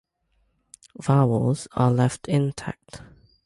Vowels are left intact.